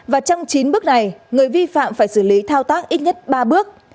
và trong chín bước này người vi phạm phải xử lý thao tác ít nhất ba bước